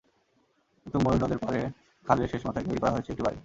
কিন্তু ময়ূর নদের পাড়ে খালের শেষ মাথায় তৈরি করা হয়েছে একটি বাড়ি।